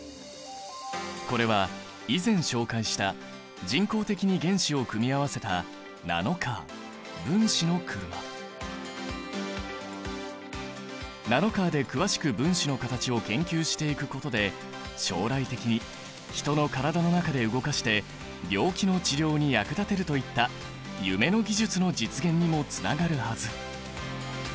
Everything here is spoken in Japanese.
これは以前紹介した人工的に原子を組み合わせたナノカーで詳しく分子の形を研究していくことで将来的に人の体の中で動かして病気の治療に役立てるといった夢の技術の実現にもつながるはず。